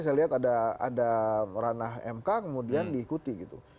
saya lihat ada ranah mk kemudian diikuti gitu